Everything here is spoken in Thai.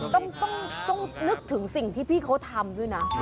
ต้องนึกถึงสิ่งที่พี่เขาทำด้วยนะ